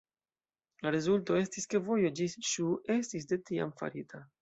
La rezulto estis ke vojo ĝis Ŝu estis de tiam farita.